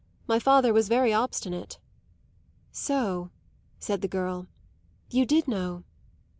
My father was very obstinate." "So," said the girl, "you did know."